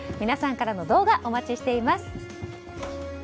皆さんからの動画お待ちしています。